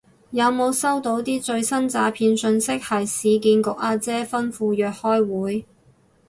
有冇收到啲最新詐騙訊息係市建局阿姐吩咐約開會